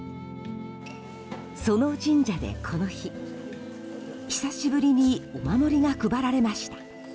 その神社でこの日、久しぶりにお守りが配られました。